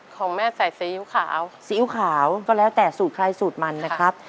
ของแม่ใส่ซีอิ๊วขาวซีอิ๊วขาวก็แล้วแต่สูตรใครสูตรมันนะครับ